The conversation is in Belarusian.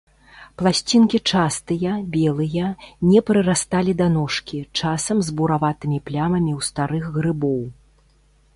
Пласцінкі частыя, белыя, не прырасталі да ножкі, часам з бураватымі плямамі ў старых грыбоў.